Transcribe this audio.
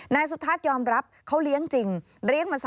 นายสุทัศน์ยอมรับเขาเรียงจริง